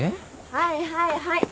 はいはいはい。